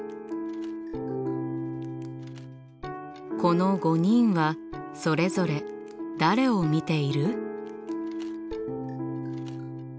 この５人はそれぞれ誰を見ている？